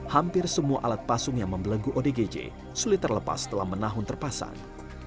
hampir semua alat pasung yang membelenggu odgj sulit terlepas setelah menahun terpasang